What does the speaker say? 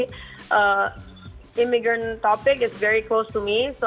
topik imigran itu sangat dekat dengan saya